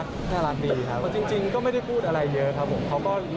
แต่อันนี้เป็นเจอแบบเต็ม